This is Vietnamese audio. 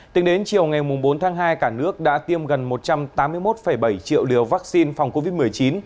tính đến chiều ngày bốn tháng hai cả nước đã tiêm gần một trăm tám mươi một bảy triệu liều vaccine phòng covid một mươi chín